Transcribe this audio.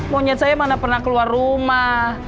monyet saya mana pernah keluar rumah